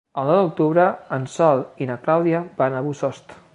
El nou d'octubre en Sol i na Clàudia van a Bossòst.